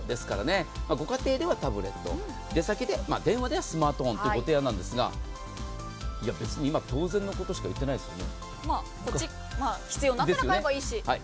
ご家庭ではタブレット、電話はスマートフォンというご提案なんですが、いや、別に今、当然のことしか言ってないですよね。